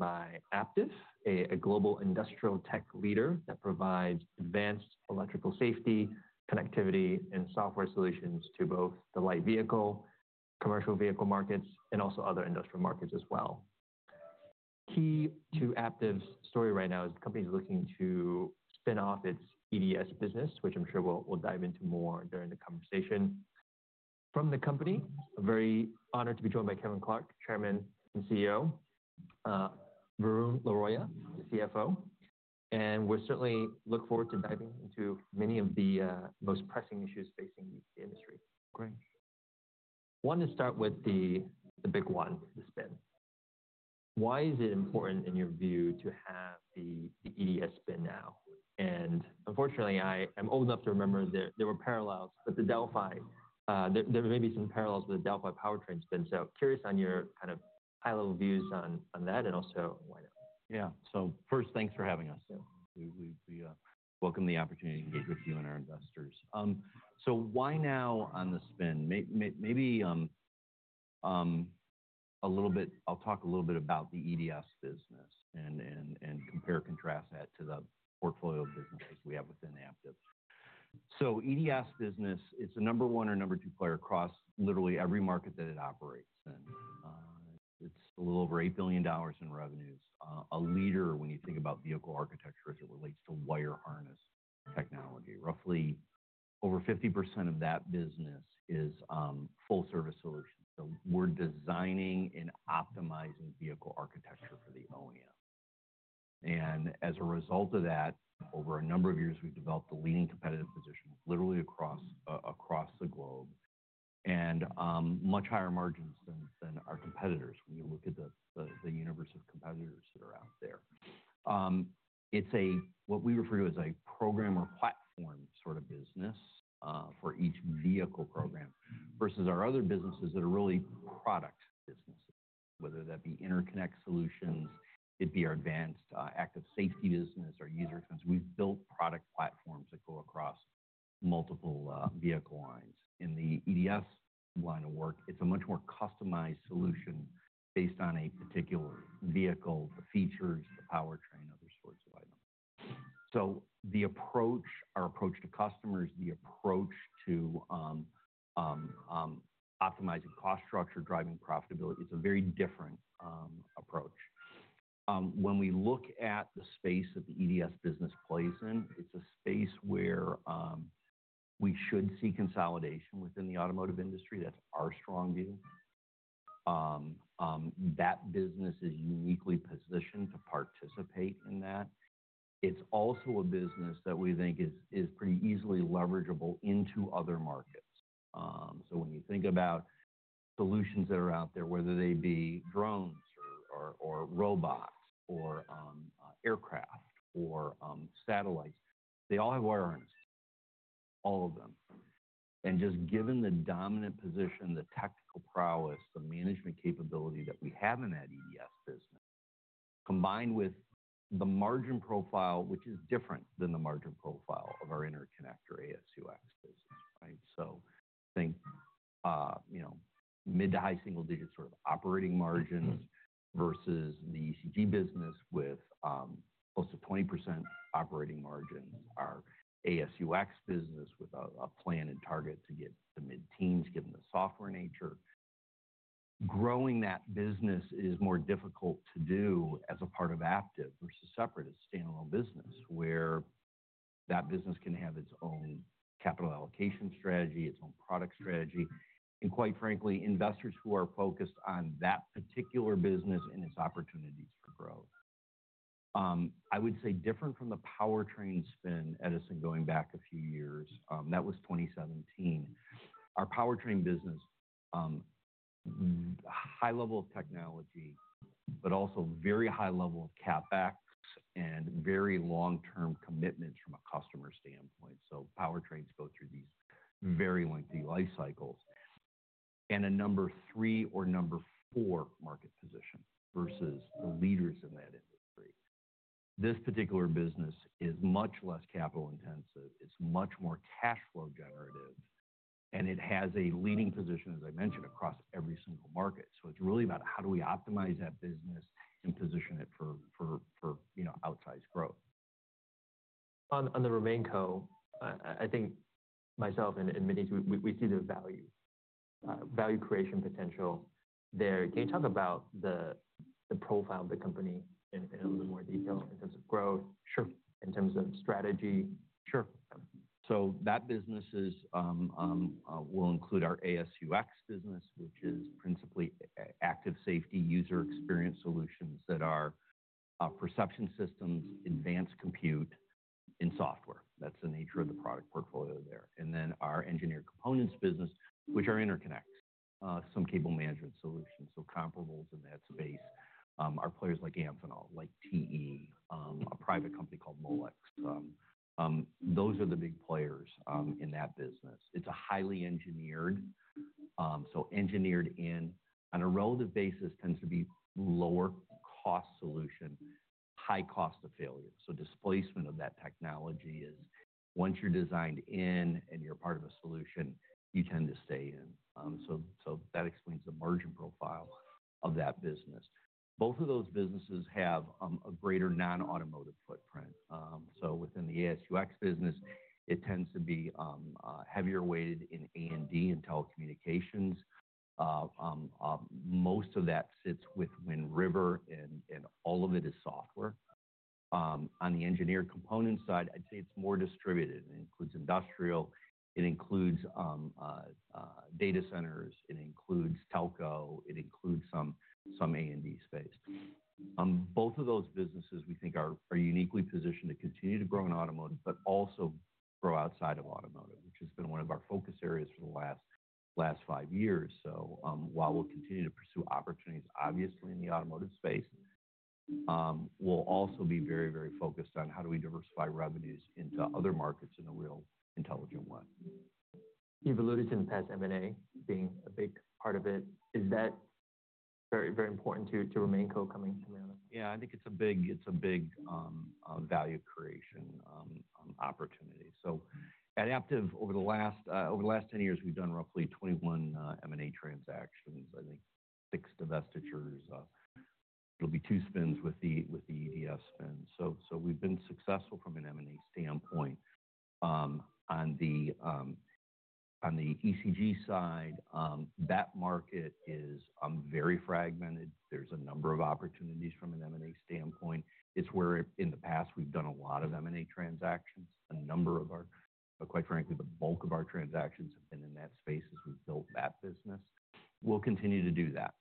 Joined by Aptiv, a global industrial tech leader that provides advanced electrical safety, connectivity, and software solutions to both the light vehicle, commercial vehicle markets, and also other industrial markets as well. Key to Aptiv's story right now is the company is looking to spin off its EDS business, which I'm sure we'll dive into more during the conversation. From the company, I'm very honored to be joined by Kevin Clark, Chairman and CEO, Varun Laroyia, the CFO. We certainly look forward to diving into many of the most pressing issues facing the industry. Great. I wanted to start with the big one, the spin. Why is it important, in your view, to have the EDS spin now? Unfortunately, I'm old enough to remember there were parallels, but the Delphi, there may be some parallels with the Delphi powertrain spin. Curious on your kind of high-level views on that and also why now. Yeah. First, thanks for having us. We welcome the opportunity to engage with you and our investors. Why now on the spin? Maybe a little bit, I'll talk a little bit about the EDS business and compare and contrast that to the portfolio of businesses we have within Aptiv. The EDS business, it's a number one or number two player across literally every market that it operates. It's a little over $8 billion in revenues, a leader when you think about vehicle architecture as it relates to wire harness technology. Roughly over 50% of that business is full-service solutions. We're designing and optimizing vehicle architecture for the OEM. As a result of that, over a number of years, we've developed a leading competitive position literally across the globe and much higher margins than our competitors when you look at the universe of competitors that are out there. It's what we refer to as a program or platform sort of business for each vehicle program versus our other businesses that are really product businesses, whether that be interconnect solutions, our advanced Active Safety business, our User Experience. We've built product platforms that go across multiple vehicle lines. In the EDS line of work, it's a much more customized solution based on a particular vehicle, the features, the powertrain, other sorts of items. The approach, our approach to customers, the approach to optimizing cost structure, driving profitability, it's a very different approach. When we look at the space that the EDS business plays in, it's a space where we should see consolidation within the automotive industry. That's our strong view. That business is uniquely positioned to participate in that. It's also a business that we think is pretty easily leverageable into other markets. When you think about solutions that are out there, whether they be drones or robots or aircraft or satellites, they all have wire harness, all of them. Just given the dominant position, the tactical prowess, the management capability that we have in that EDS business, combined with the margin profile, which is different than the margin profile of our interconnect or AS&UX business, right? I think mid to high single-digit sort of operating margins versus the ECG business with close to 20% operating margins are AS&UX business with a plan and target to get the mid-teens, given the software nature. Growing that business is more difficult to do as a part of Aptiv versus separate as a standalone business where that business can have its own capital allocation strategy, its own product strategy, and quite frankly, investors who are focused on that particular business and its opportunities for growth. I would say different from the powertrain spin, Edison, going back a few years, that was 2017. Our powertrain business, high level of technology, but also very high level of CapEx and very long-term commitments from a customer standpoint. Powertrains go through these very lengthy life cycles. And a number three or number four market position versus the leaders in that industry. This particular business is much less capital intensive. It's much more cash flow generative, and it has a leading position, as I mentioned, across every single market. It's really about how do we optimize that business and position it for outsized growth. On the RemainCo, I think myself and many of you, we see the value creation potential there. Can you talk about the profile of the company in a little bit more detail in terms of growth, in terms of strategy? Sure. That business will include our AS&UX business, which is principally Active Safety User Experience solutions that are perception systems, advanced compute in software. That is the nature of the product portfolio there. Then our Engineered Components business, which are interconnects, some cable management solutions, so comparables in that space. Our players like Amphenol, like TE Connectivity, a private company called Molex. Those are the big players in that business. It is a highly engineered, so engineered in on a relative basis, tends to be lower cost solution, high cost of failure. Displacement of that technology is once you are designed in and you are part of a solution, you tend to stay in. That explains the margin profile of that business. Both of those businesses have a greater non-automotive footprint. Within the AS&UX business, it tends to be heavier weighted in A&D and telecommunications. Most of that sits with Wind River and all of it is software. On the Engineered Components side, I'd say it's more distributed. It includes industrial. It includes data centers. It includes telco. It includes some A&D space. Both of those businesses, we think, are uniquely positioned to continue to grow in automotive, but also grow outside of automotive, which has been one of our focus areas for the last five years. While we'll continue to pursue opportunities, obviously, in the automotive space, we'll also be very, very focused on how do we diversify revenues into other markets in a real intelligent way. You've alluded to in the past M&A being a big part of it. Is that very important to RemainCo coming to Market? Yeah, I think it's a big value creation opportunity. At Aptiv, over the last 10 years, we've done roughly 21 M&A transactions, I think six divestitures. It'll be two spins with the EDS spin. We've been successful from an M&A standpoint. On the ECG side, that market is very fragmented. There's a number of opportunities from an M&A standpoint. It's where in the past we've done a lot of M&A transactions. Quite frankly, the bulk of our transactions have been in that space as we've built that business. We'll continue to do that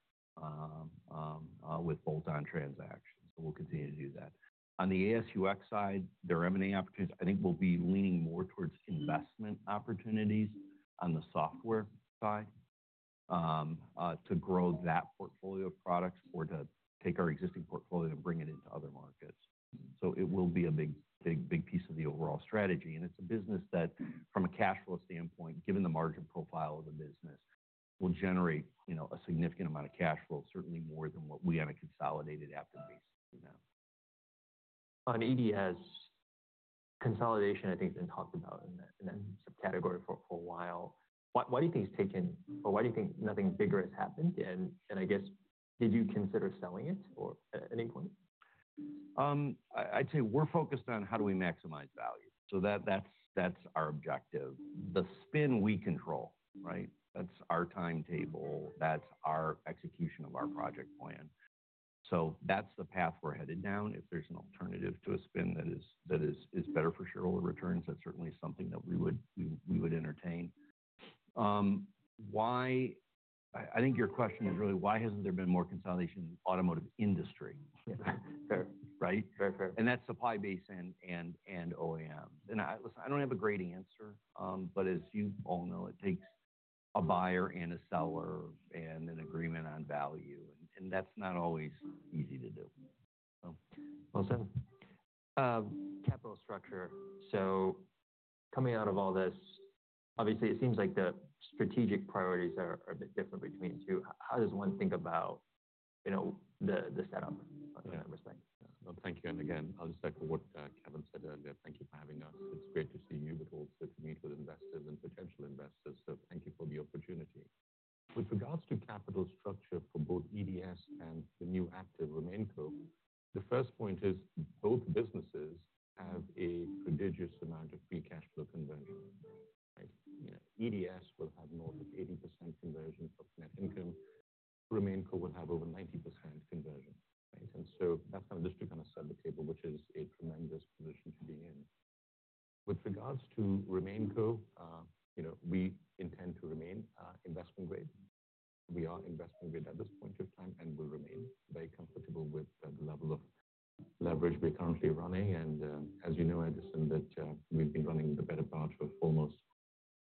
with bolt-on transactions. We'll continue to do that. On the AS&UX side, there are M&A opportunities. I think we'll be leaning more towards investment opportunities on the software side to grow that portfolio of products or to take our existing portfolio and bring it into other markets. It will be a big piece of the overall strategy. It is a business that, from a cash flow standpoint, given the margin profile of the business, will generate a significant amount of cash flow, certainly more than what we have consolidated after basically now. On EDS consolidation, I think it's been talked about in that subcategory for a while. Why do you think it's taken, or why do you think nothing bigger has happened? I guess, did you consider selling it at any point? I'd say we're focused on how do we maximize value. So that's our objective. The spin we control, right? That's our timetable. That's our execution of our project plan. So that's the path we're headed down. If there's an alternative to a spin that is better for shareholder returns, that's certainly something that we would entertain. I think your question is really, why hasn't there been more consolidation in the automotive industry, right? And that's supply base and OEM. Listen, I don't have a great answer, but as you all know, it takes a buyer and a seller and an agreement on value. That's not always easy to do. Capital structure. So coming out of all this, obviously, it seems like the strategic priorities are a bit different between the two. How does one think about the setup? Thank you. I will just echo what Kevin said earlier. Thank you for having us. It is great to see you, but also to meet with investors and potential investors. Thank you for the opportunity. With regards to capital structure for both EDS and the new Aptiv RemainCo, the first point is both businesses have a prodigious amount of free cash flow conversion, right? EDS will have north of 80% conversion of net income. RemainCo will have over 90% conversion, right? That is just to set the table, which is a tremendous position to be in. With regards to RemainCo, we intend to remain investment grade. We are investment grade at this point in time and will remain. Very comfortable with the level of leverage we are currently running. As you know, Edison, we have been running the better part of almost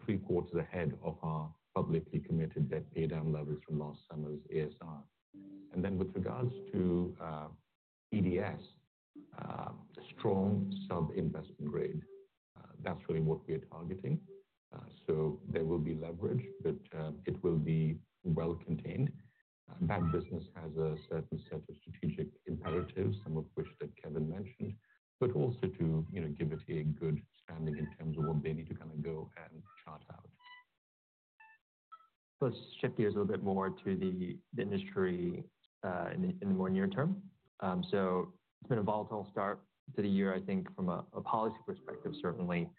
three quarters ahead of our publicly committed debt paydown levels from last summer's ASR. With regards to EDS, strong sub-investment grade is really what we are targeting. There will be leverage, but it will be well contained. That business has a certain set of strategic imperatives, some of which Kevin mentioned, but also to give it a good standing in terms of what they need to kind of go and chart out. Let's shift gears a little bit more to the industry in the more near term. It's been a volatile start to the year, I think, from a policy perspective, certainly.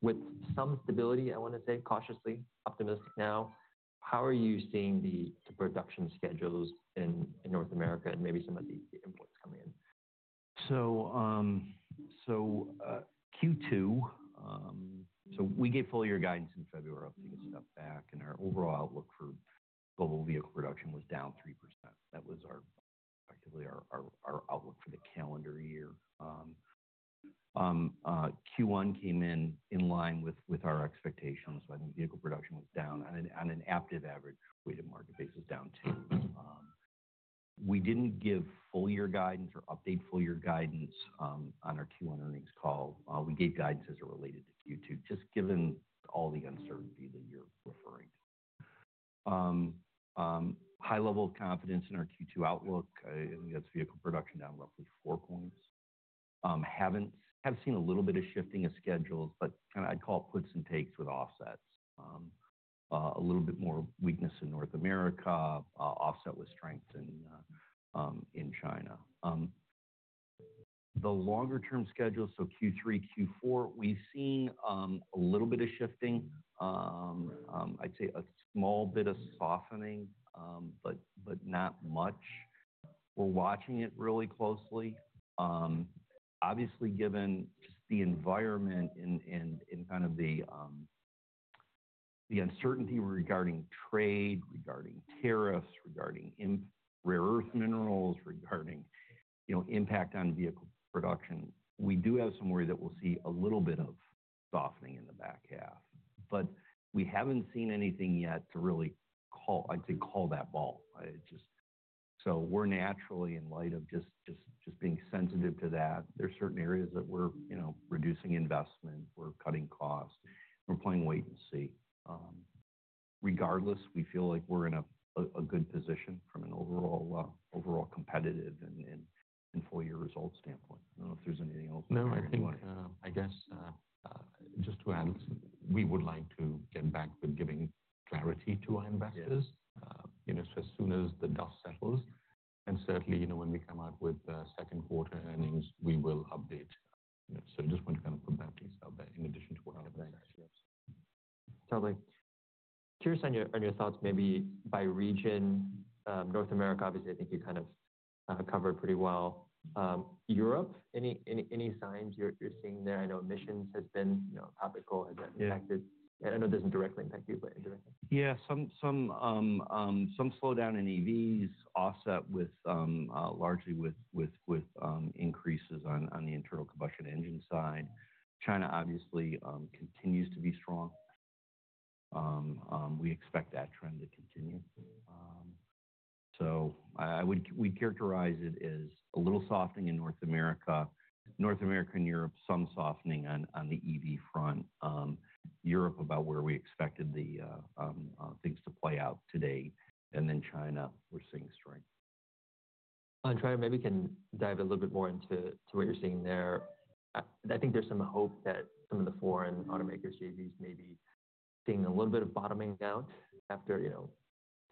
With some stability, I want to say, cautiously optimistic now, how are you seeing the production schedules in North America and maybe some of the inputs coming in? Q2, we gave full year guidance in February to get stuff back. Our overall outlook for global vehicle production was down 3%. That was effectively our outlook for the calendar year. Q1 came in in line with our expectations. I think vehicle production was down on an Aptiv average weighted market basis down two. We did not give full year guidance or update full year guidance on our Q1 earnings call. We gave guidance as it related to Q2, just given all the uncertainty that you are referring to. High level of confidence in our Q2 outlook. I think that is vehicle production down roughly four points. Have seen a little bit of shifting of schedules, but I would call it puts and takes with offsets. A little bit more weakness in North America, offset with strength in China. The longer-term schedule, so Q3, Q4, we've seen a little bit of shifting. I'd say a small bit of softening, but not much. We're watching it really closely. Obviously, given just the environment and kind of the uncertainty regarding trade, regarding tariffs, regarding rare earth minerals, regarding impact on vehicle production, we do have some worry that we'll see a little bit of softening in the back half. We haven't seen anything yet to really, I'd say, call that ball. We are naturally, in light of just being sensitive to that, there's certain areas that we're reducing investment, we're cutting costs, we're playing wait and see. Regardless, we feel like we're in a good position from an overall competitive and full year result standpoint. I don't know if there's anything else I want to. No, I think, I guess, just to add, we would like to get back with giving clarity to our investors. As soon as the dust settles. Certainly, when we come out with second quarter earnings, we will update. I just want to kind of put that piece out there in addition to what I've said. Totally. Curious on your thoughts, maybe by region. North America, obviously, I think you kind of covered pretty well. Europe, any signs you're seeing there? I know emissions has been topical, has that impacted? I know it doesn't directly impact you, but indirectly. Yeah, some slowdown in EDS, offset largely with increases on the internal combustion engine side. China, obviously, continues to be strong. We expect that trend to continue. We characterize it as a little softening in North America, North America and Europe, some softening on the EV front. Europe about where we expected the things to play out today. China, we're seeing strength. On China, maybe we can dive a little bit more into what you're seeing there. I think there's some hope that some of the foreign automakers, JVs, may be seeing a little bit of bottoming out after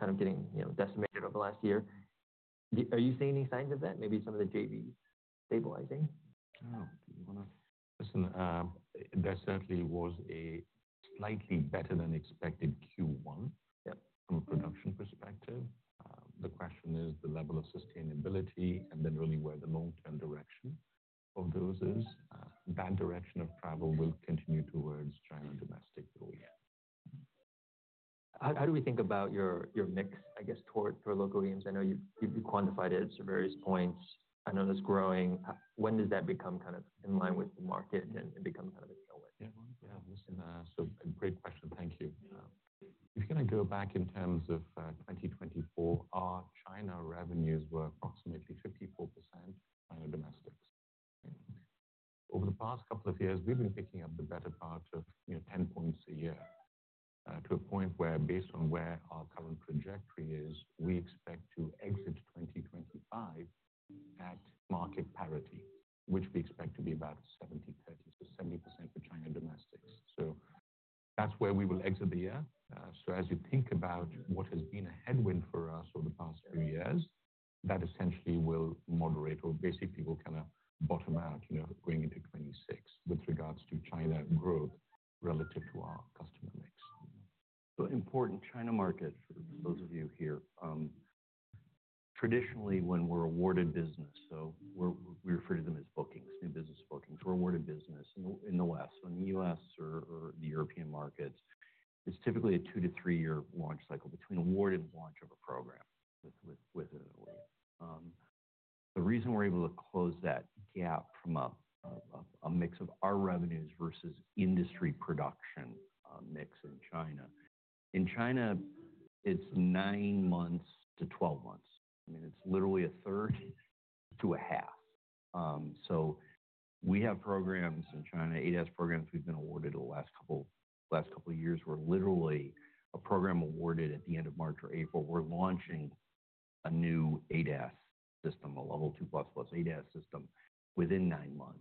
kind of getting decimated over the last year. Are you seeing any signs of that? Maybe some of the JVs stabilizing? Listen, there certainly was a slightly better than expected Q1 from a production perspective. The question is the level of sustainability and then really where the long-term direction of those is. That direction of travel will continue towards China domestic OEM. How do we think about your mix, I guess, toward local OEMs? I know you quantified it at some various points. I know it's growing. When does that become kind of in line with the market and become kind of a tailwind? Yeah, listen, so great question. Thank you. If you're going to go back in terms of 2024, our China revenues were approximately 54% China domestics. Over the past couple of years, we've been picking up the better part of 10 percentage points a year to a point where, based on where our current trajectory is, we expect to exit 2025 at market parity, which we expect to be about 70-30, so 70% for China domestics. That is where we will exit the year. As you think about what has been a headwind for us over the past few years, that essentially will moderate or basically will kind of bottom out going into 2026 with regards to China growth relative to our customer mix. Important China market for those of you here. Traditionally, when we're awarded business, so we refer to them as bookings, new business bookings, we're awarded business in the West, so in the U.S. or the European markets, it's typically a two- to three-year launch cycle between award and launch of a program with an OEM. The reason we're able to close that gap from a mix of our revenues versus industry production mix in China, in China, it's 9-12 months. I mean, it's literally a third to a half. We have programs in China, ADAS programs we've been awarded in the last couple of years. We're literally a program awarded at the end of March or April. We're launching a new ADAS system, a Level 2++ ADAS system within nine months.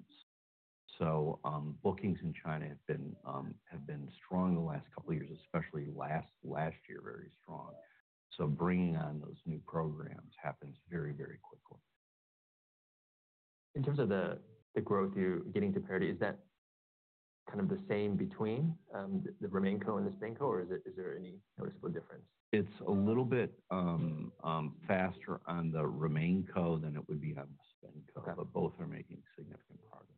Bookings in China have been strong the last couple of years, especially last year, very strong. Bringing on those new programs happens very, very quickly. In terms of the growth you're getting to parity, is that kind of the same between the RemainCo and the SpinCo, or is there any noticeable difference? It's a little bit faster on the RemainCo than it would be on the SpinCo, but both are making significant progress.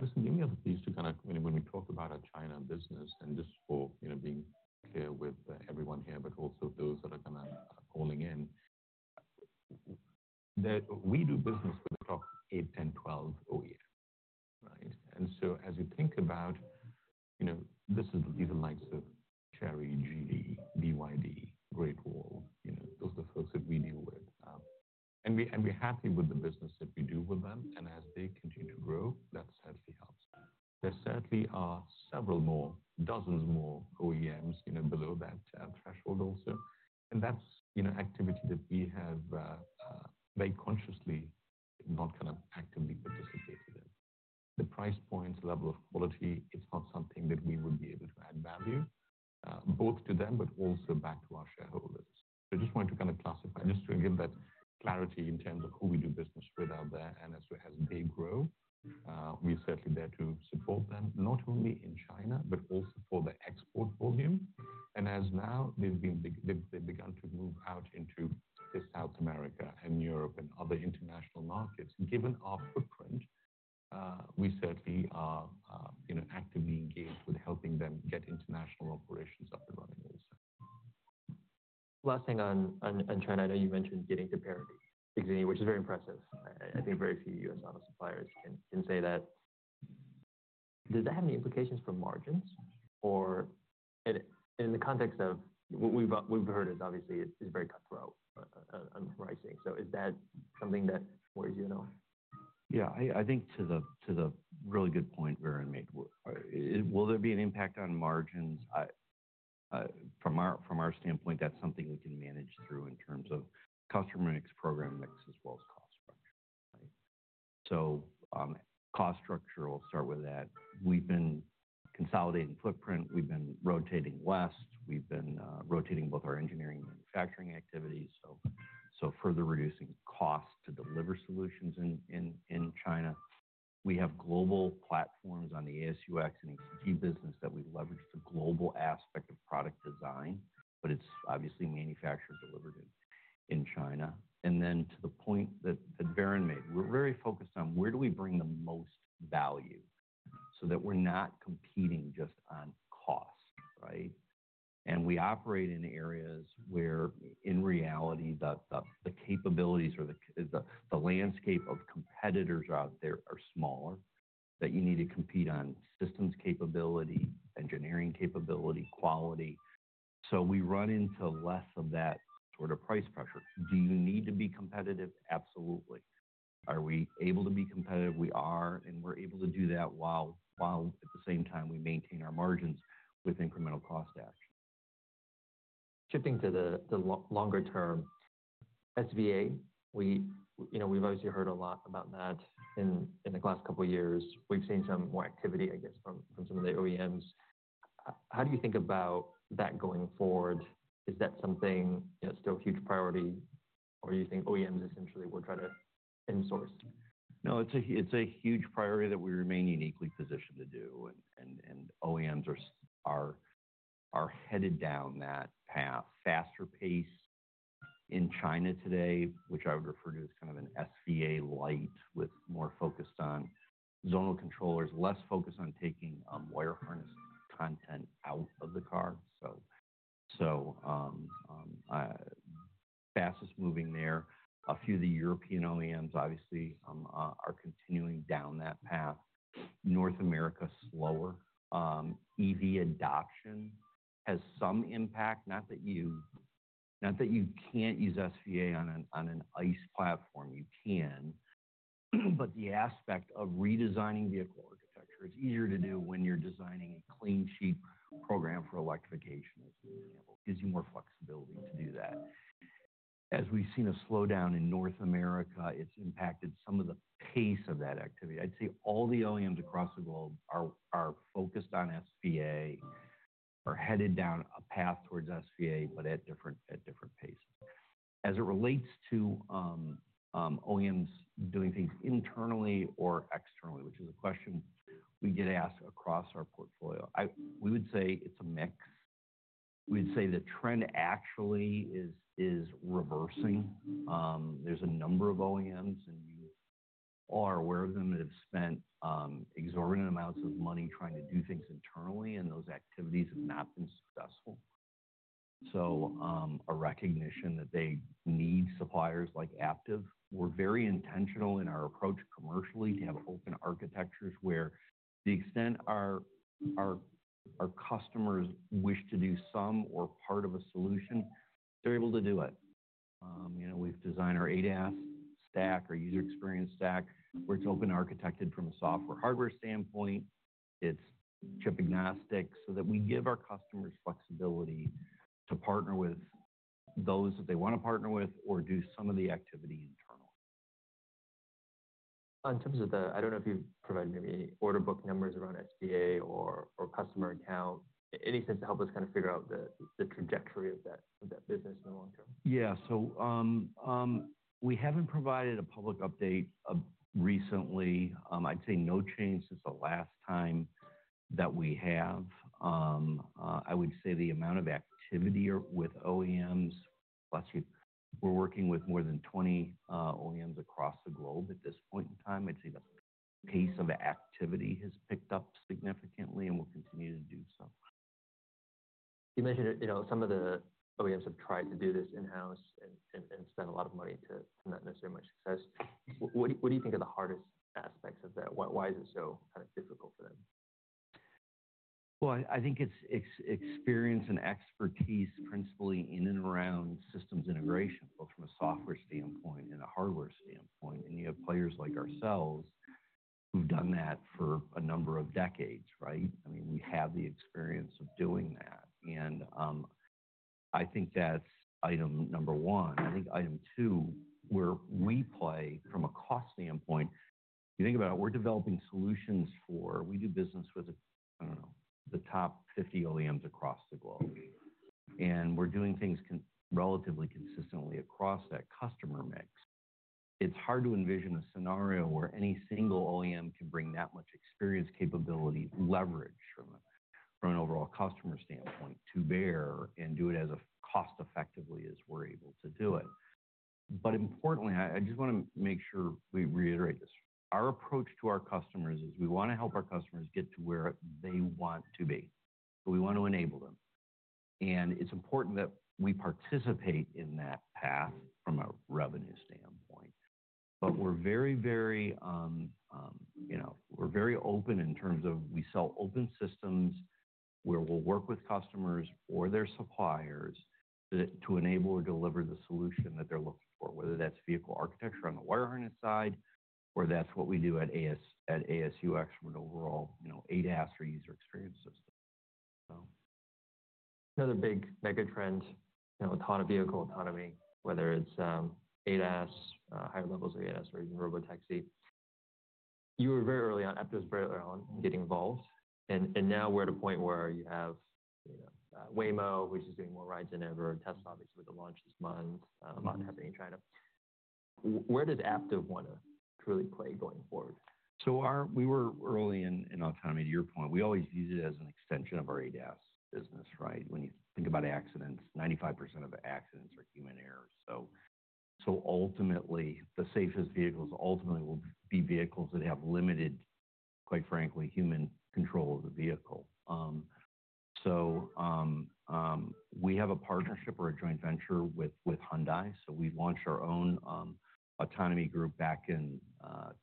Listen, give me a piece to kind of, when we talk about our China business, and this is for being clear with everyone here, but also those that are kind of calling in, that we do business with the top 8, 10, 12 OEMs, right? As you think about it, these are the likes of Chery, Geely, BYD, Great Wall, those are the folks that we deal with. We're happy with the business that we do with them. As they continue to grow, that certainly helps. There certainly are several more, dozens more OEMs below that threshold also. That's activity that we have very consciously, not kind of actively participated in. The price points, level of quality, it's not something that we would be able to add value both to them, but also back to our shareholders. I just wanted to kind of classify, just to give that clarity in terms of who we do business with out there. As they grow, we're certainly there to support them, not only in China, but also for the export volume. As now they've begun to move out into South America and Europe and other international markets, given our footprint, we certainly are actively engaged with helping them get international operations up and running also. Last thing on China, I know you mentioned getting to parity, which is very impressive. I think very few U.S. auto suppliers can say that. Does that have any implications for margins? In the context of what we've heard, obviously it's very cutthroat on pricing. Is that something that worries you at all? Yeah, I think to the really good point Varun made, will there be an impact on margins? From our standpoint, that's something we can manage through in terms of customer mix, program mix, as well as cost structure. Cost structure, we'll start with that. We've been consolidating footprint. We've been rotating west. We've been rotating both our engineering and manufacturing activities. Further reducing costs to deliver solutions in China. We have global platforms on the AS&UX and ECG business that we leverage, the global aspect of product design, but it's obviously manufactured, delivered in China. To the point that Varun made, we're very focused on where do we bring the most value so that we're not competing just on cost, right? We operate in areas where in reality, the capabilities or the landscape of competitors out there are smaller that you need to compete on systems capability, engineering capability, quality. We run into less of that sort of price pressure. Do you need to be competitive? Absolutely. Are we able to be competitive? We are. And we're able to do that while at the same time we maintain our margins with incremental cost action. Shifting to the longer term, SVA, we've obviously heard a lot about that in the last couple of years. We've seen some more activity, I guess, from some of the OEMs. How do you think about that going forward? Is that something still a huge priority, or do you think OEMs essentially will try to insource? No, it's a huge priority that we remain uniquely positioned to do. OEMs are headed down that path. Faster pace in China today, which I would refer to as kind of an SVA light with more focus on zonal controllers, less focus on taking wire harness content out of the car. Fastest moving there. A few of the European OEMs obviously are continuing down that path. North America, slower. EV adoption has some impact. Not that you can't use SVA on an ICE platform. You can. The aspect of redesigning vehicle architecture, it's easier to do when you're designing a clean sheet program for electrification as you enable. It gives you more flexibility to do that. As we've seen a slowdown in North America, it's impacted some of the pace of that activity. I'd say all the OEMs across the globe are focused on SVA, are headed down a path towards SVA, but at different paces. As it relates to OEMs doing things internally or externally, which is a question we get asked across our portfolio, we would say it's a mix. We'd say the trend actually is reversing. There's a number of OEMs, and you all are aware of them, that have spent exorbitant amounts of money trying to do things internally, and those activities have not been successful. A recognition that they need suppliers like Aptiv. We're very intentional in our approach commercially to have open architectures where the extent our customers wish to do some or part of a solution, they're able to do it. We've designed our ADAS stack, our User Experience stack, where it's open architected from a software hardware standpoint. It's chip agnostic so that we give our customers flexibility to partner with those that they want to partner with or do some of the activity internally. In terms of the, I don't know if you've provided any order book numbers around SVA or customer account, any sense to help us kind of figure out the trajectory of that business in the long term? Yeah. We haven't provided a public update recently. I'd say no change since the last time that we have. I would say the amount of activity with OEMs, we're working with more than 20 OEMs across the globe at this point in time. I'd say the pace of activity has picked up significantly and will continue to do so. You mentioned some of the OEMs have tried to do this in-house and spent a lot of money to not necessarily much success. What do you think are the hardest aspects of that? Why is it so kind of difficult for them? I think it's experience and expertise principally in and around systems integration, both from a software standpoint and a hardware standpoint. You have players like ourselves who've done that for a number of decades, right? I mean, we have the experience of doing that. I think that's item number one. I think item two, where we play from a cost standpoint, you think about it, we're developing solutions for, we do business with, I don't know, the top 50 OEMs across the globe. We're doing things relatively consistently across that customer mix. It's hard to envision a scenario where any single OEM can bring that much experience, capability, leverage from an overall customer standpoint to bear and do it as cost-effectively as we're able to do it. Importantly, I just want to make sure we reiterate this. Our approach to our customers is we want to help our customers get to where they want to be. We want to enable them. It is important that we participate in that path from a revenue standpoint. We are very, very open in terms of we sell open systems where we will work with customers or their suppliers to enable or deliver the solution that they are looking for, whether that is vehicle architecture on the wire harness side or that is what we do at AS&UX for an overall ADAS or User Experience system. Another big mega trend, autonomous vehicle autonomy, whether it's ADAS, higher levels of ADAS versus Robotaxi. You were very early on, Aptiv was very early on getting involved. Now we're at a point where you have Waymo, which is getting more rides than ever, Tesla obviously with the launch this month, a lot happening in China. Where does Aptiv want to truly play going forward? We were early in autonomy, to your point. We always use it as an extension of our ADAS business, right? When you think about accidents, 95% of accidents are human errors. Ultimately, the safest vehicles ultimately will be vehicles that have limited, quite frankly, human control of the vehicle. We have a partnership or a joint venture with Hyundai. We launched our own autonomy group back in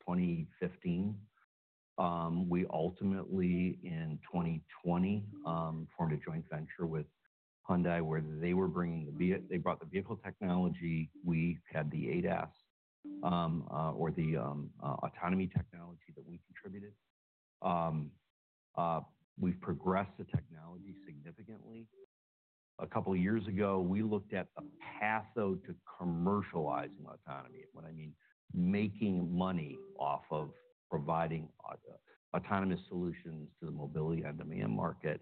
2015. We ultimately, in 2020, formed a joint venture with Hyundai where they were bringing the vehicle, they brought the vehicle technology, we had the ADAS or the autonomy technology that we contributed. We have progressed the technology significantly. A couple of years ago, we looked at the path though to commercializing autonomy. I mean, making money off of providing autonomous solutions to the mobility on demand market.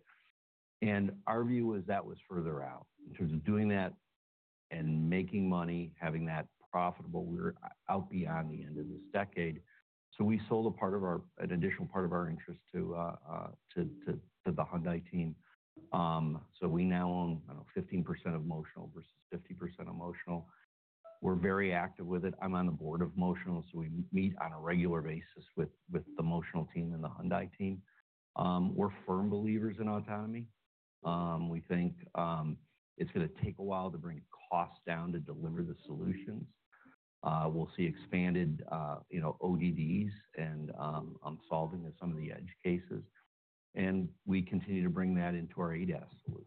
Our view was that was further out. In terms of doing that and making money, having that profitable, we're out beyond the end of this decade. We sold a part of our, an additional part of our interest to the Hyundai team. We now own, I don't know, 15% of Motional versus 50% of Motional. We're very active with it. I'm on the board of Motional. We meet on a regular basis with the Motional team and the Hyundai team. We're firm believers in autonomy. We think it's going to take a while to bring costs down to deliver the solutions. We'll see expanded ODDs and solving of some of the edge cases. We continue to bring that into our ADAS solution.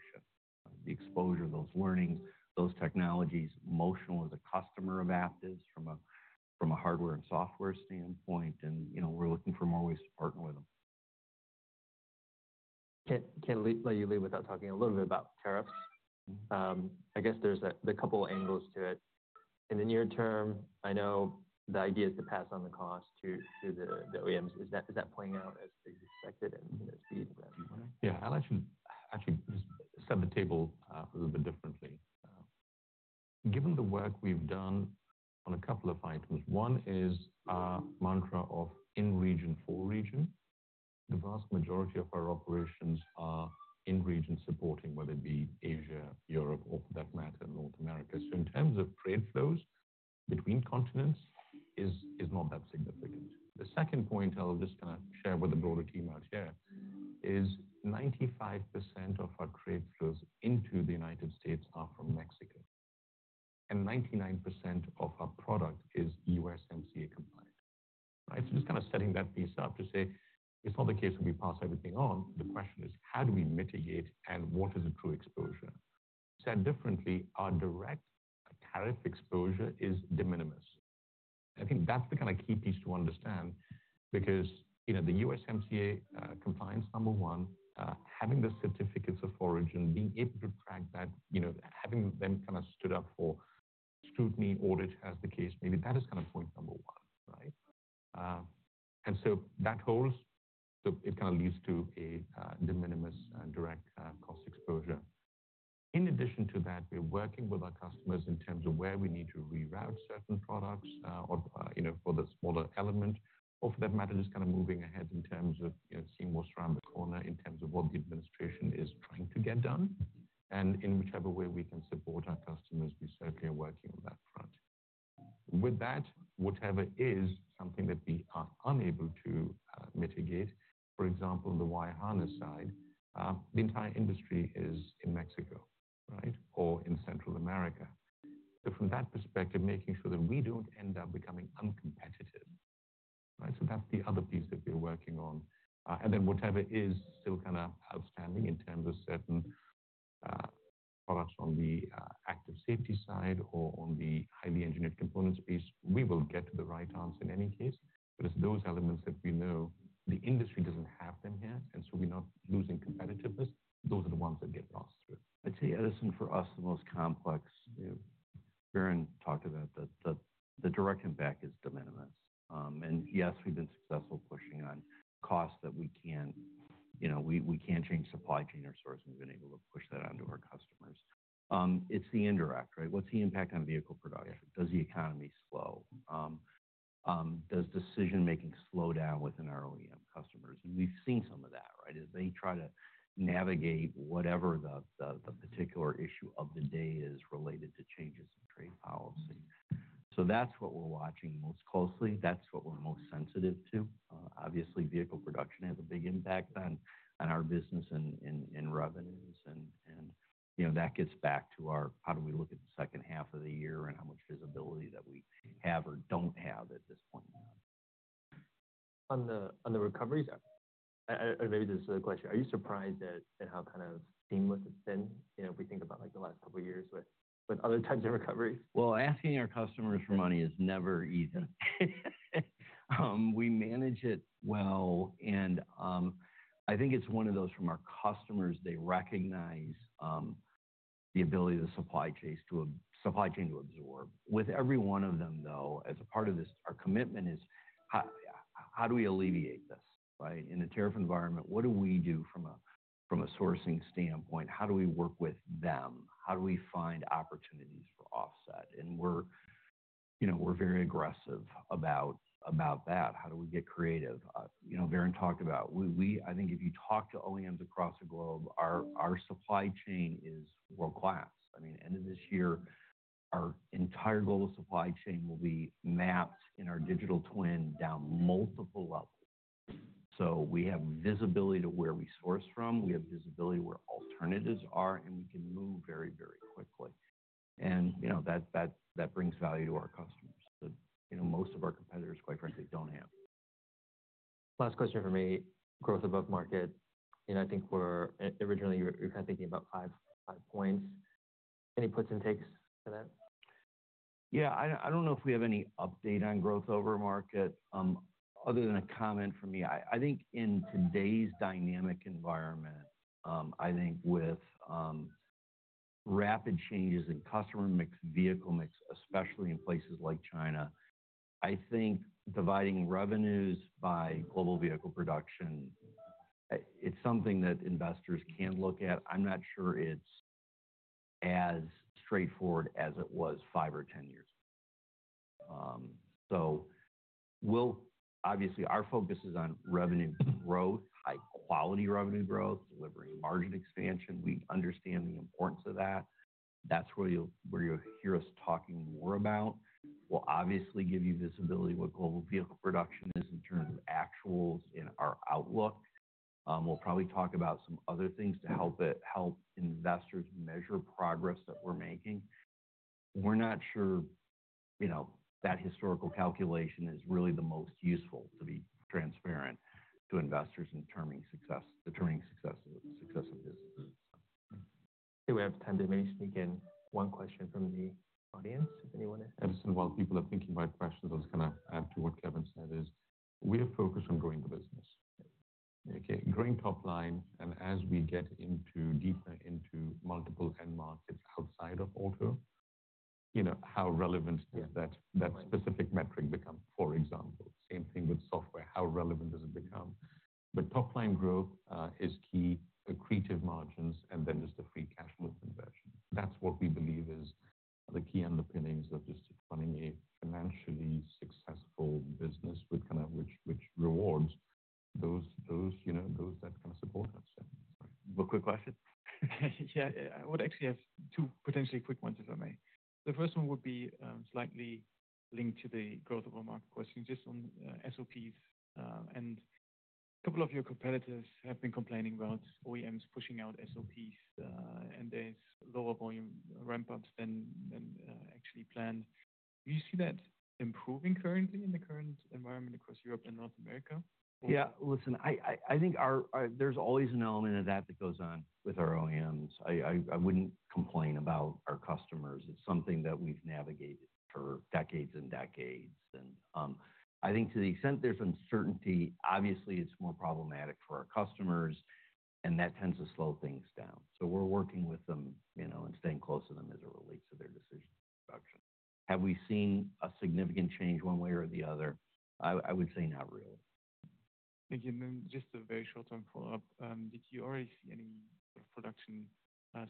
The exposure, those learnings, those technologies, Motional is a customer of Aptiv's from a hardware and software standpoint. We're looking for more ways to partner with them. Can I let you lead without talking a little bit about tariffs? I guess there's a couple of angles to it. In the near term, I know the idea is to pass on the cost to the OEMs. Is that playing out as expected and at speed? Yeah. I'll actually set the table a little bit differently. Given the work we've done on a couple of items, one is our mantra of in region, full region. The vast majority of our operations are in region supporting, whether it be Asia, Europe, or for that matter, North America. In terms of trade flows between continents, it's not that significant. The second point I'll just kind of share with the broader team out here is 95% of our trade flows into the United States are from Mexico. And 99% of our product is USMCA compliant, right? Just kind of setting that piece up to say it's not the case that we pass everything on. The question is, how do we mitigate and what is the true exposure? Said differently, our direct tariff exposure is de minimis. I think that's the kind of key piece to understand because the USMCA compliance, number one, having the certificates of origin, being able to track that, having them kind of stood up for scrutiny, audit as the case may be, that is kind of point number one, right? That holds, so it kind of leads to a de minimis direct cost exposure. In addition to that, we're working with our customers in terms of where we need to reroute certain products for the smaller element, or for that matter, just kind of moving ahead in terms of seeing what's around the corner in terms of what the administration is trying to get done. In whichever way we can support our customers, we certainly are working on that front. With that, whatever is something that we are unable to mitigate, for example, the wire harness side, the entire industry is in Mexico, right? Or in Central America. From that perspective, making sure that we do not end up becoming uncompetitive, right? That is the other piece that we are working on. Whatever is still kind of outstanding in terms of certain products on the Active Safety side or on the highly Engineered Components piece, we will get to the right answer in any case. It is those elements that we know the industry does not have here. We are not losing competitiveness. Those are the ones that get lost through. I'd say, Edison, for us, the most complex, Varun talked about the direct impact is de minimis. Yes, we've been successful pushing on costs that we can't change supply chain or source. We've been able to push that onto our customers. It's the indirect, right? What's the impact on vehicle production? Does the economy slow? Does decision-making slow down within our OEM customers? We've seen some of that, right? As they try to navigate whatever the particular issue of the day is related to changes in trade policy. That's what we're watching most closely. That's what we're most sensitive to. Obviously, vehicle production has a big impact on our business and revenues. That gets back to our how do we look at the second half of the year and how much visibility that we have or don't have at this point in time. On the recoveries, maybe this is a question. Are you surprised at how kind of seamless it's been if we think about the last couple of years with other types of recoveries? Asking our customers for money is never easy. We manage it well. I think it's one of those from our customers, they recognize the ability of the supply chain to absorb. With every one of them, though, as a part of this, our commitment is how do we alleviate this, right? In a tariff environment, what do we do from a sourcing standpoint? How do we work with them? How do we find opportunities for offset? We're very aggressive about that. How do we get creative? Varun talked about, I think if you talk to OEMs across the globe, our supply chain is world-class. I mean, end of this year, our entire global supply chain will be mapped in our digital twin down multiple levels. We have visibility to where we source from. We have visibility where alternatives are, and we can move very, very quickly. That brings value to our customers that most of our competitors, quite frankly, do not have. Last question for me, growth above market. I think originally you're kind of thinking about five points. Any puts and takes to that? Yeah. I don't know if we have any update on growth over market other than a comment from me. I think in today's dynamic environment, I think with rapid changes in customer mix, vehicle mix, especially in places like China, I think dividing revenues by global vehicle production, it's something that investors can look at. I'm not sure it's as straightforward as it was five or ten years ago. Obviously, our focus is on revenue growth, high-quality revenue growth, delivering margin expansion. We understand the importance of that. That's where you'll hear us talking more about. We'll obviously give you visibility of what global vehicle production is in terms of actuals in our outlook. We'll probably talk about some other things to help investors measure progress that we're making. We're not sure that historical calculation is really the most useful, to be transparent, to investors in determining success of businesses. I think we have time to maybe sneak in one question from the audience, if anyone is. Edison, while people are thinking about questions, I'll just kind of add to what Kevin said. We are focused on growing the business. Okay? Growing top line, and as we get deeper into multiple end markets outside of auto, how relevant has that specific metric become, for example? Same thing with software, how relevant has it become? Top line growth is key, accretive margins, and then just the free cash movement version. That's what we believe is the key underpinnings of just running a financially successful business with kind of which rewards those that kind of support us. One quick question. Yeah. I would actually have two potentially quick ones, if I may. The first one would be slightly linked to the growth of our market question, just on SOPs. A couple of your competitors have been complaining about OEMs pushing out SOPs, and there is lower volume ramp-ups than actually planned. Do you see that improving currently in the current environment across Europe and North America? Yeah. Listen, I think there's always an element of that that goes on with our OEMs. I wouldn't complain about our customers. It's something that we've navigated for decades and decades. I think to the extent there's uncertainty, obviously, it's more problematic for our customers, and that tends to slow things down. We're working with them and staying close to them as it relates to their decisions on production. Have we seen a significant change one way or the other? I would say not really. Thank you. And then just a very short-term follow-up. Did you already see any sort of production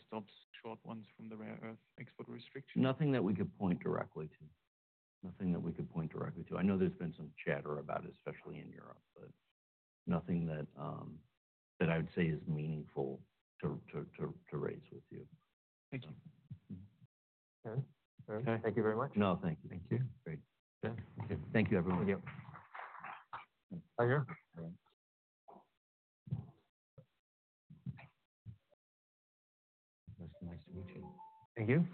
stops, short ones from the rare earth export restrictions? Nothing that we could point directly to. I know there's been some chatter about it, especially in Europe, but nothing that I would say is meaningful to raise with you. Thank you. Okay. Thank you very much. No, thank you. Thank you. Great. Thank you, everyone. Thank you. Bye, Varun. Bye. Nice to meet you. Thank you.